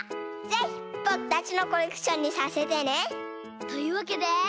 ぜひぼくたちのコレクションにさせてね！というわけで。